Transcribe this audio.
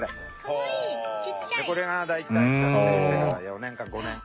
これが大体着底してから４年か５年。